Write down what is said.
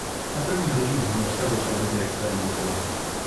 Na prvních lyžích z Norska začal brzy experimentovat.